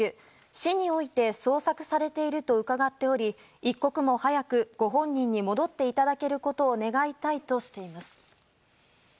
市において捜索されていると伺っており、一刻も早くご本人に戻っていただけることを願いたいとしています。